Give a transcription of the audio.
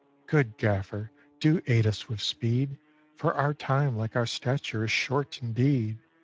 "Good Gaffer, do aid us with speed, For our time, like our stature, is short indeed!